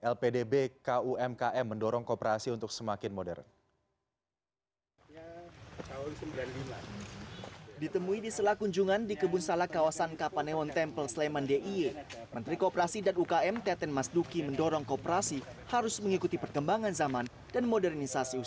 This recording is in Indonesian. lpdb kumkm mendorong kooperasi untuk semakin modern